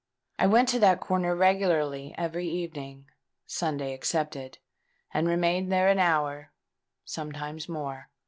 I went to that corner regularly every evening, Sunday excepted; and remained there an hour—sometimes more.